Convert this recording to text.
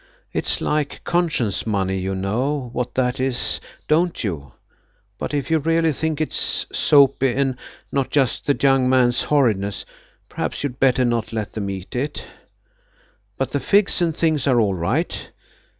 It's like conscience money–you know what that is, don't you? But if you really think it is soapy and not just the young man's horridness, perhaps you'd better not let them eat it. But the figs and things are all right."